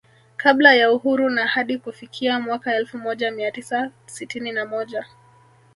Kabla ya Uhuru na hadi kufikia mwaka elfu moja mia tisa sitini na moja